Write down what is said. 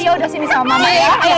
ya udah sini sama mbak ya